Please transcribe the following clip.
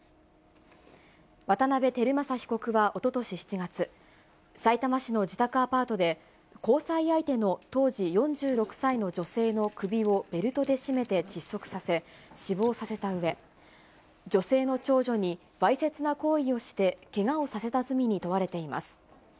渡部晃正被告はおととし７月、さいたま市の自宅アパートで、交際相手の当時４６歳の女性の首をベルトで絞めて窒息させ、死亡させたうえ、女性の長女にわいせつな行為をしてけがをさせた罪に問われています。